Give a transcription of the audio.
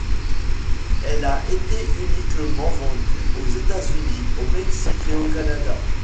Elle a été uniquement vendue aux États-Unis, au Mexique et au Canada.